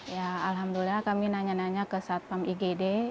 ya alhamdulillah kami nanya nanya ke satpam igd